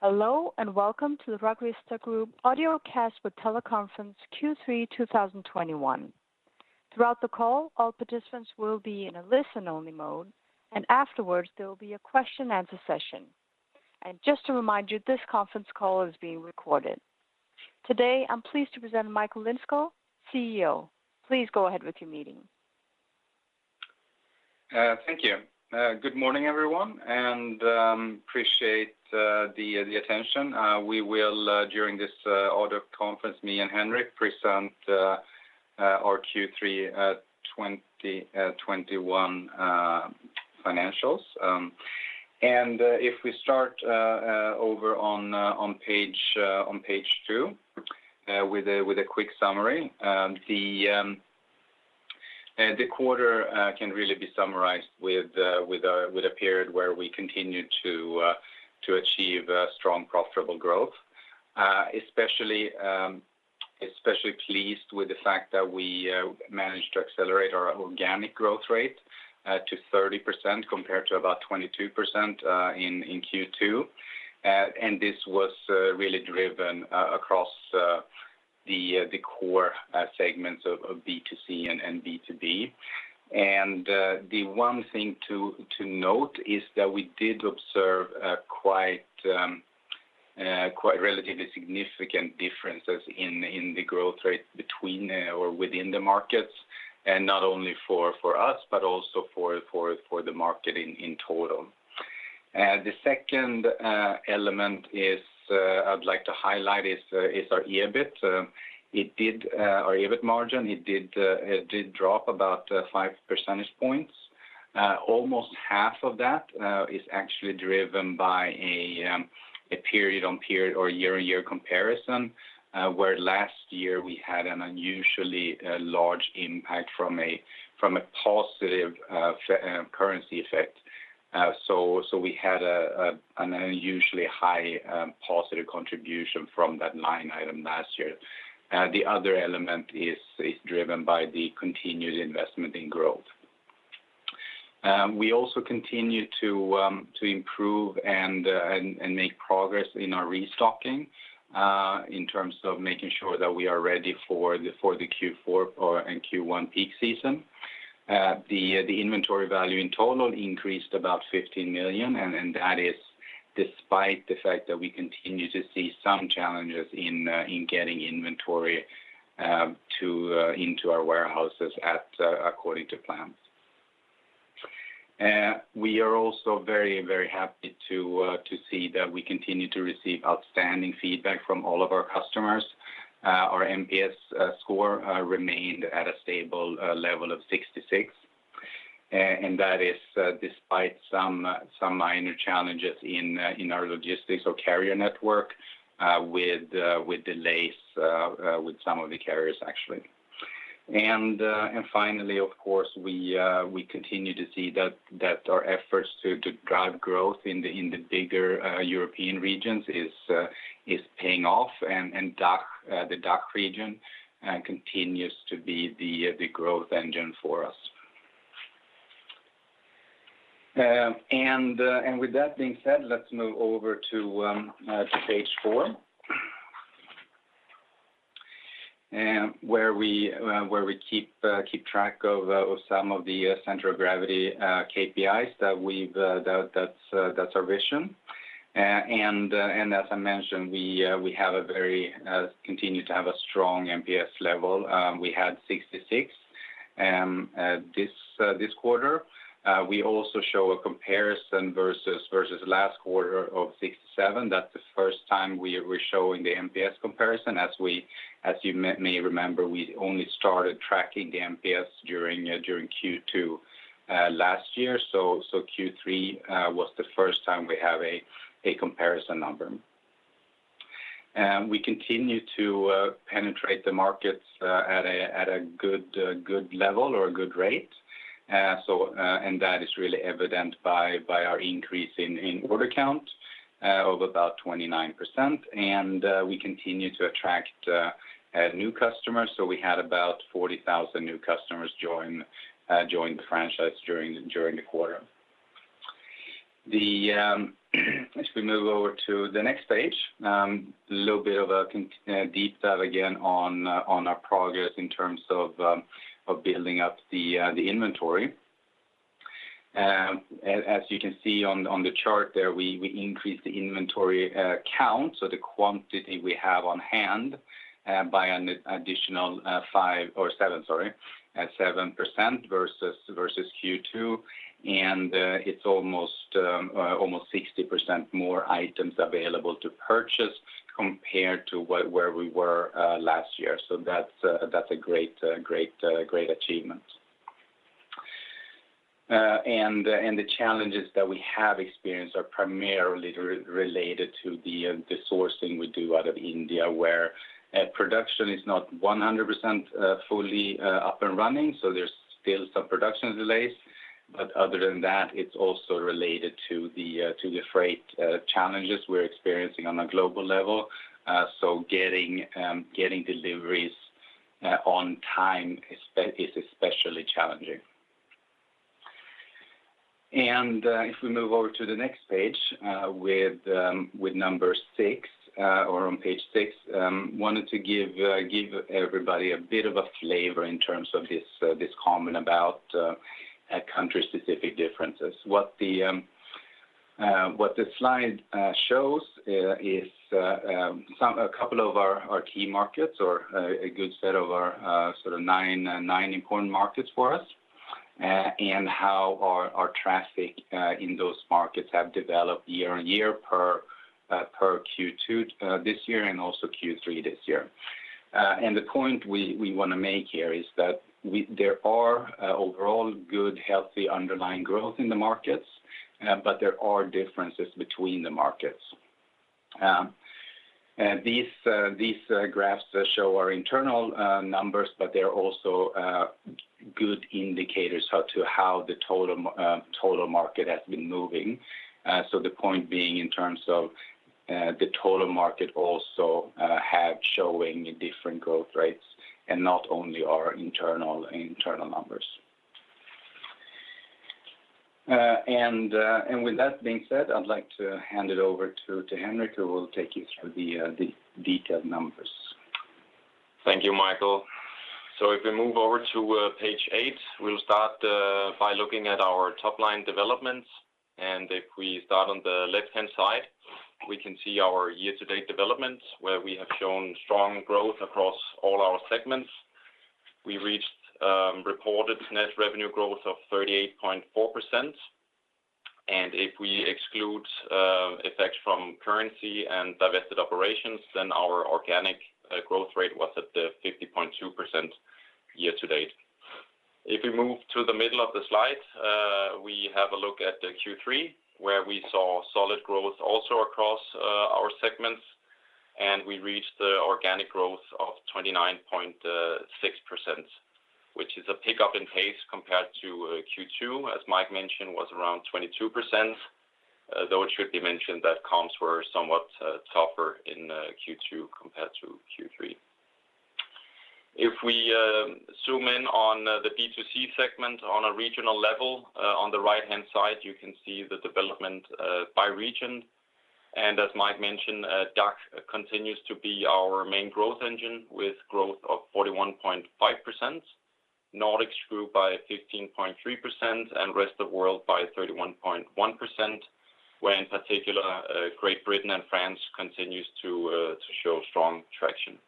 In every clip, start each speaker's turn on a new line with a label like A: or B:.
A: Hello, and welcome to the RugVista Group Audiocast with Teleconference Q3 2021. Throughout the call, all participants will be in a listen-only mode, and afterwards, there will be a question answer session. Just to remind you, this conference call is being recorded. Today, I'm pleased to present Michael Lindskog, CEO. Please go ahead with your meeting.
B: Thank you. Good morning, everyone, and appreciate the attention. We will, during this audio conference, me and Henrik present our Q3 2021 financials. If we start over on page 2 with a quick summary. The quarter can really be summarized with a period where we continue to achieve strong, profitable growth, especially pleased with the fact that we managed to accelerate our organic growth rate to 30% compared to about 22% in Q2. This was really driven across the core segments of B2C and B2B. The one thing to note is that we did observe quite relatively significant differences in the growth rate between or within the markets, and not only for us, but also for the market in total. The second element I'd like to highlight is our EBIT. Our EBIT margin did drop about five percentage points. Almost half of that is actually driven by a period-on-period or year-on-year comparison, where last year we had an unusually large impact from a positive currency effect. So we had an unusually high positive contribution from that line item last year. The other element is driven by the continued investment in growth. We also continue to improve and make progress in our restocking in terms of making sure that we are ready for the Q4 and Q1 peak season. The inventory value in total increased about 15 million, and that is despite the fact that we continue to see some challenges in getting inventory into our warehouses according to plans. We are also very happy to see that we continue to receive outstanding feedback from all of our customers. Our NPS score remained at a stable level of 66, and that is despite some minor challenges in our logistics or carrier network with delays with some of the carriers actually. Finally, of course, we continue to see that our efforts to drive growth in the bigger European regions is paying off and DACH, the DACH region, continues to be the growth engine for us. With that being said, let's move over to page 4. Where we keep track of some of the key KPIs. That's our vision. As I mentioned, we continue to have a strong NPS level. We had 66 this quarter. We also show a comparison versus last quarter of 67. That's the first time we are showing the NPS comparison. As you may remember, we only started tracking the NPS during Q2 last year. Q3 was the first time we have a comparison number. We continue to penetrate the markets at a good level or a good rate. That is really evident by our increase in order count of about 29%. We continue to attract new customers. We had about 40,000 new customers join the franchise during the quarter. As we move over to the next page, a little bit of a deep dive again on our progress in terms of building up the inventory. As you can see on the chart there, we increased the inventory count, so the quantity we have on hand, by an additional five or seven, sorry, at 7% versus Q2. It's almost 60% more items available to purchase compared to where we were last year. That's a great achievement. The challenges that we have experienced are primarily related to the sourcing we do out of India, where production is not 100% fully up and running, so there's still some production delays. Other than that, it's also related to the freight challenges we're experiencing on a global level. Getting deliveries on time is especially challenging. If we move over to the next page with number six or on page six, I wanted to give everybody a bit of a flavor in terms of this comment about country-specific differences. What the slide shows is a couple of our key markets or a good set of our sort of nine important markets for us and how our traffic in those markets have developed year-over-year per Q2 this year and also Q3 this year. The point we wanna make here is that there are overall good, healthy underlying growth in the markets, but there are differences between the markets. These graphs show our internal numbers, but they're also good indicators how the total market has been moving. The point being in terms of the total market also have showing different growth rates and not only our internal numbers. With that being said, I'd like to hand it over to Henrik, who will take you through the detailed numbers.
C: Thank you, Michael. If we move over to page 8, we'll start by looking at our top-line developments. If we start on the left-hand side, we can see our year-to-date developments, where we have shown strong growth across all our segments. We reached reported net revenue growth of 38.4%. If we exclude effects from currency and divested operations, then our organic growth rate was at 50.2% year to date. If we move to the middle of the slide, we have a look at the Q3, where we saw solid growth also across our segments, and we reached the organic growth of 29.6%, which is a pickup in pace compared to Q2, as Mike mentioned, was around 22%, though it should be mentioned that comps were somewhat tougher in Q2 compared to Q3. If we zoom in on the B2C segment on a regional level, on the right-hand side, you can see the development by region. As Mike mentioned, DACH continues to be our main growth engine with growth of 41.5%. Nordics grew by 15.3% and Rest of World by 31.1%, where in particular, Great Britain and France continues to show strong traction.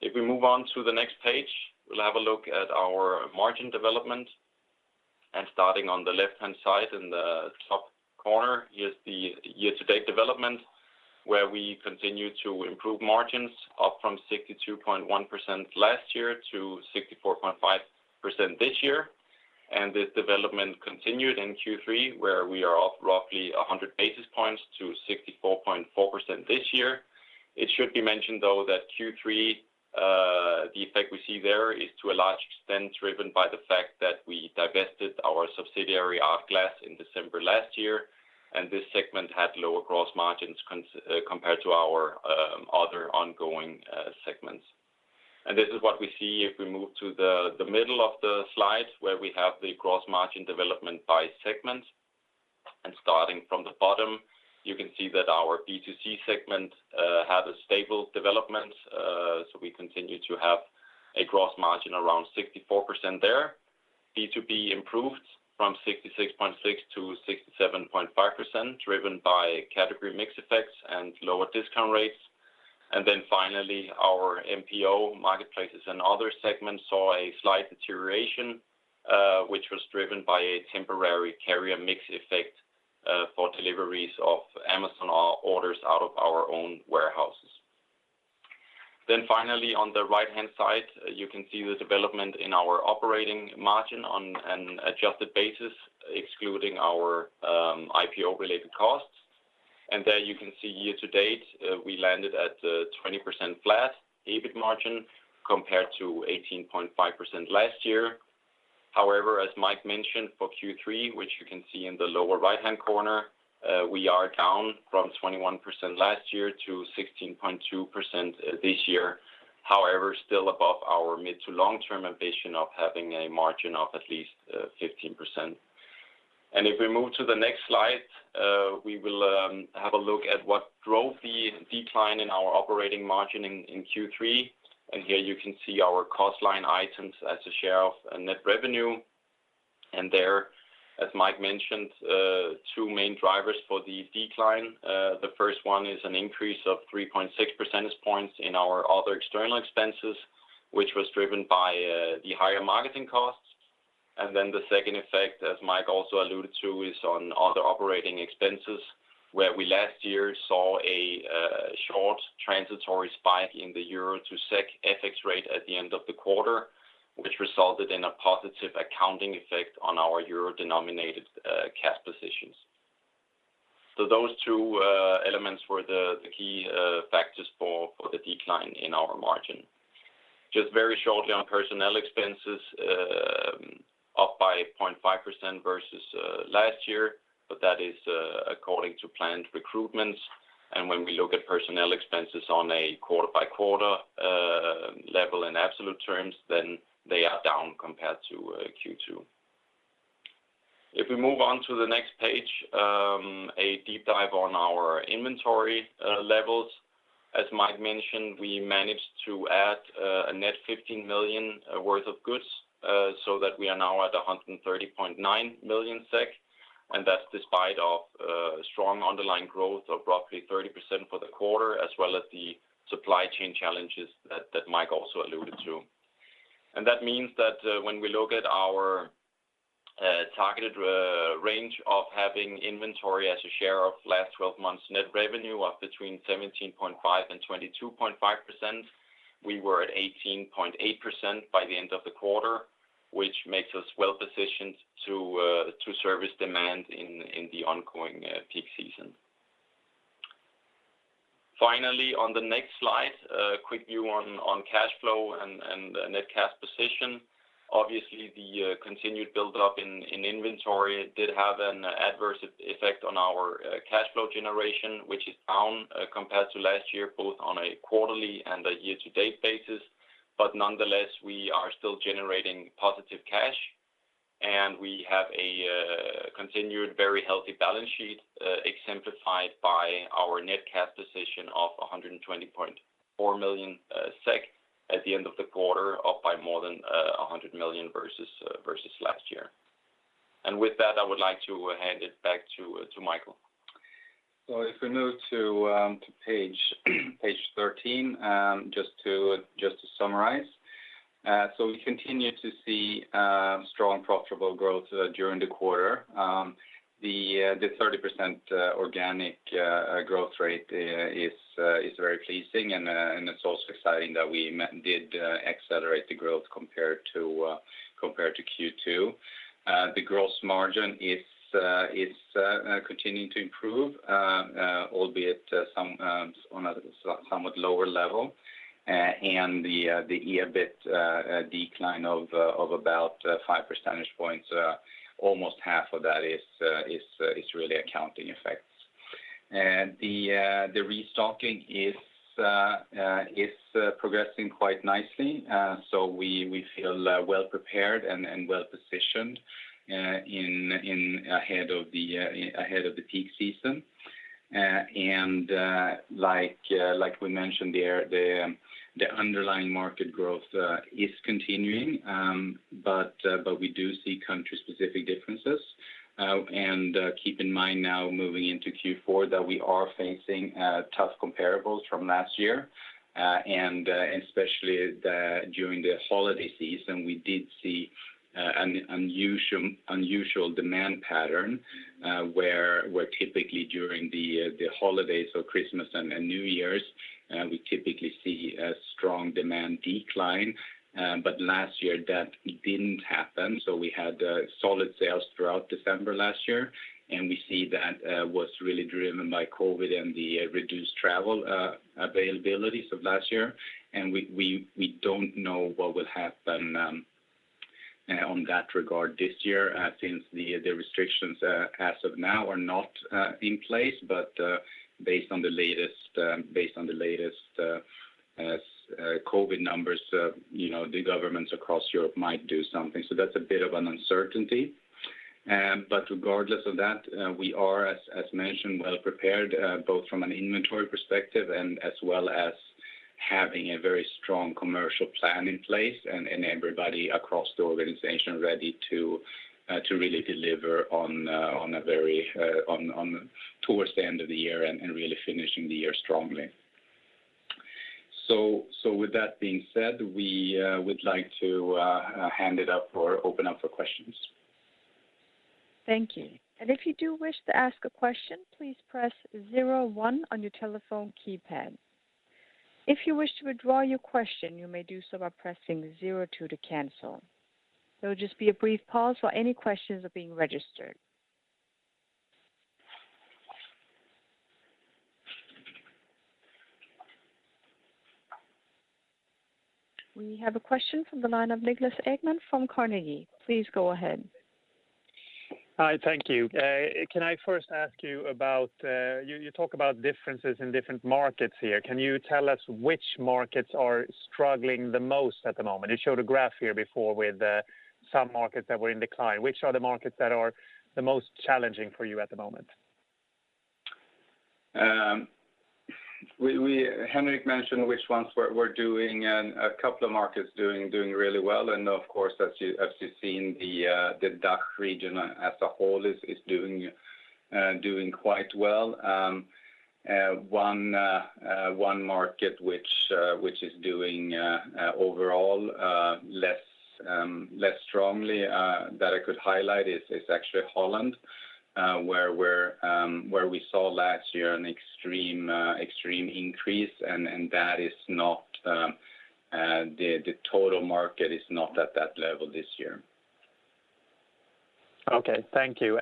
C: If we move on to the next page, we'll have a look at our margin development. Starting on the left-hand side in the top corner is the year-to-date development, where we continue to improve margins up from 62.1% last year to 64.5% this year. This development continued in Q3, where we are up roughly 100 basis points to 64.4% this year. It should be mentioned, though, that Q3, the effect we see there is to a large extent driven by the fact that we divested our subsidiary, ArtGlass, in December last year, and this segment had lower gross margins compared to our other ongoing segments. This is what we see if we move to the middle of the slide, where we have the gross margin development by segment. Starting from the bottom, you can see that our B2C segment had a stable development, so we continue to have a gross margin around 64% there. B2B improved from 66.6% to 67.5%, driven by category mix effects and lower discount rates. Finally, our MPO, Marketplaces & Other segment, saw a slight deterioration, which was driven by a temporary carrier mix effect, for deliveries of Amazon orders out of our own warehouses. Finally, on the right-hand side, you can see the development in our operating margin on an adjusted basis, excluding our IPO-related costs. There you can see year to date, we landed at 20% flat EBIT margin compared to 18.5% last year. However, as Mike mentioned, for Q3, which you can see in the lower right-hand corner, we are down from 21% last year to 16.2% this year. However, still above our mid to long-term ambition of having a margin of at least 15%. If we move to the next slide, we will have a look at what drove the decline in our operating margin in Q3. Here you can see our cost line items as a share of net revenue. There, as Mike mentioned, two main drivers for the decline. The first one is an increase of 3.6 percentage points in our other external expenses, which was driven by the higher marketing costs. Then the second effect, as Mike also alluded to, is on other operating expenses, where we last year saw a short transitory spike in the euro to SEK FX rate at the end of the quarter, which resulted in a positive accounting effect on our euro-denominated cash positions. Those two elements were the key factors for the decline in our margin. Just very shortly on personnel expenses, up by 0.5% versus last year, but that is according to planned recruitments. When we look at personnel expenses on a quarter-by-quarter level in absolute terms, then they are down compared to Q2. If we move on to the next page, a deep dive on our inventory levels. As Mike mentioned, we managed to add a net 15 million worth of goods, so that we are now at 130.9 million SEK, and that's despite of strong underlying growth of roughly 30% for the quarter as well as the supply chain challenges that Mike also alluded to. That means that, when we look at our targeted range of having inventory as a share of last twelve months net revenue of between 17.5% and 22.5%, we were at 18.8% by the end of the quarter, which makes us well-positioned to service demand in the ongoing peak season. Finally, on the next slide, a quick view on cash flow and net cash position. Obviously, the continued buildup in inventory did have an adverse effect on our cash flow generation, which is down compared to last year, both on a quarterly and a year-to-date basis. Nonetheless, we are still generating positive cash, and we have a continued very healthy balance sheet, exemplified by our net cash position of 120.4 million SEK at the end of the quarter, up by more than 100 million SEK versus last year. With that, I would like to hand it back to Michael.
B: If we move to page 13, just to summarize. We continue to see strong profitable growth during the quarter. The 30% organic growth rate is very pleasing, and it's also exciting that we did accelerate the growth compared to Q2. The gross margin is continuing to improve, albeit on a somewhat lower level. The EBIT decline of about 5 percentage points. Almost half of that is really accounting effects. The restocking is progressing quite nicely. We feel well-prepared and well-positioned ahead of the peak season. Like we mentioned, the underlying market growth is continuing. We do see country-specific differences. Keep in mind now moving into Q4 that we are facing tough comparables from last year, and especially during the holiday season, we did see an unusual demand pattern, where typically during the holidays or Christmas and New Year's, we typically see a strong demand decline. Last year that didn't happen, so we had solid sales throughout December last year, and we see that was really driven by COVID and the reduced travel availabilities of last year. We don't know what will happen on that regard this year, since the restrictions as of now are not in place. Based on the latest COVID numbers, you know, the governments across Europe might do something. That's a bit of an uncertainty. Regardless of that, we are as mentioned well-prepared, both from an inventory perspective and as well as having a very strong commercial plan in place and everybody across the organization ready to really deliver on towards the end of the year and really finishing the year strongly. With that being said, we would like to hand it up or open up for questions.
A: We have a question from the line of Niklas Ekman from Carnegie. Please go ahead.
D: Hi, thank you. Can I first ask you about you talk about differences in different markets here. Can you tell us which markets are struggling the most at the moment? You showed a graph here before with some markets that were in decline. Which are the markets that are the most challenging for you at the moment?
B: Henrik mentioned which ones we're doing and a couple of markets doing really well. Of course, as you've seen, the DACH region as a whole is doing quite well. One market which is doing overall less strongly that I could highlight is actually Holland, where we saw last year an extreme increase and that is not, the total market is not at that level this year.
D: Okay, thank you.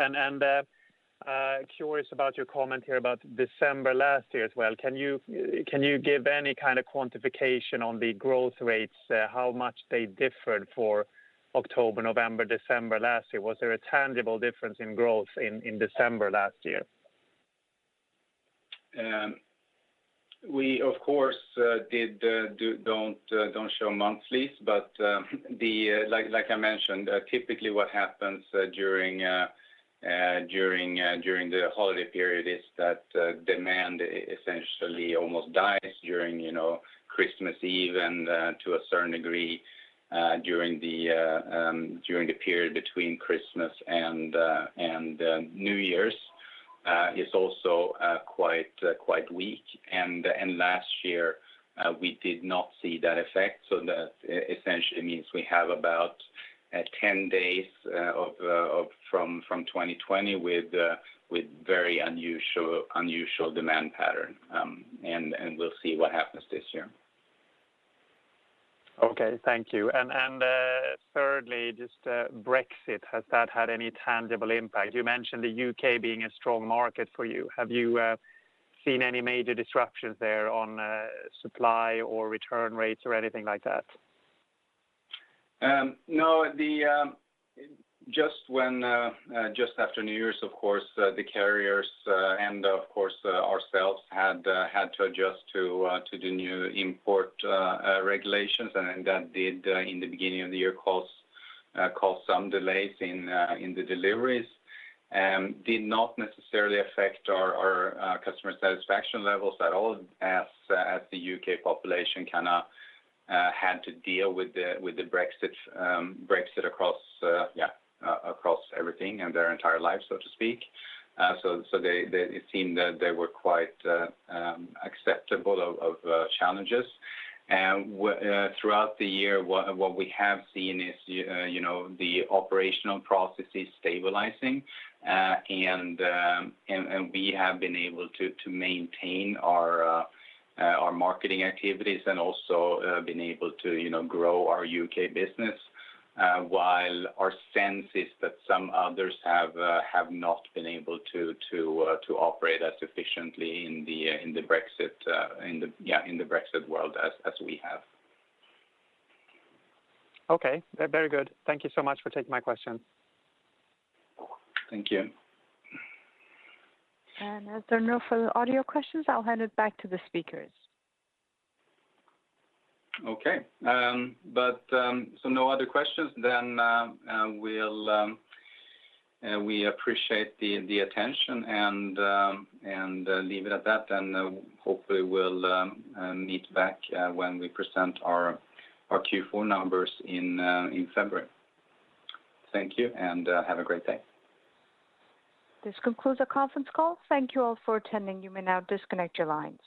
D: Curious about your comment here about December last year as well. Can you give any kind of quantification on the growth rates? How much they differed for October, November, December last year? Was there a tangible difference in growth in December last year?
B: We of course don't show monthlies, but like I mentioned typically what happens during the holiday period is that demand essentially almost dies during you know Christmas Eve and to a certain degree during the period between Christmas and New Year's is also quite weak. Last year we did not see that effect. That essentially means we have about 10 days from 2020 with very unusual demand pattern. We'll see what happens this year.
D: Okay. Thank you. Thirdly, just, Brexit, has that had any tangible impact? You mentioned the U.K. being a strong market for you. Have you seen any major disruptions there on supply or return rates or anything like that?
B: No. Just after New Year's of course, the carriers and of course ourselves had to adjust to the new import regulations, and that did in the beginning of the year cause some delays in the deliveries. Did not necessarily affect our customer satisfaction levels at all as the U.K. population kinda had to deal with the Brexit across everything in their entire lives, so to speak. So it seemed that they were quite accepting of challenges. Throughout the year, what we have seen is you know the operational processes stabilizing. We have been able to maintain our marketing activities and also been able to, you know, grow our U.K. business, while our sense is that some others have not been able to operate as efficiently in the Brexit world as we have.
D: Okay. Very good. Thank you so much for taking my question.
B: Thank you.
A: As there are no further audio questions, I'll hand it back to the speakers.
B: Okay. No other questions then. We appreciate the attention and leave it at that. Hopefully we'll meet back when we present our Q4 numbers in February. Thank you, and have a great day.
A: This concludes our conference call. Thank you all for attending. You may now disconnect your lines.